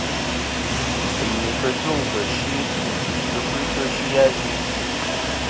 Fɨ̀yìnì fɨ jûŋfɨ̀ fsɨ ɨchfɨ, fɨ bɨfɨ fsɨ azue.